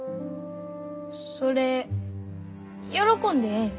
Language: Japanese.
それ喜んでええん？